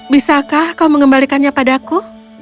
bisakah kau mengembalikannya padaku